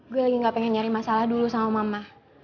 gue lagi gak pengen nyari masalah dulu sama mama